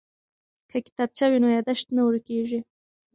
که کتابچه وي نو یادښت نه ورکیږي.